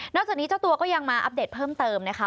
จากนี้เจ้าตัวก็ยังมาอัปเดตเพิ่มเติมนะคะ